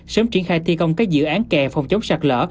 sớm triển khai thi công các dự án kè phòng chống sạt lỡ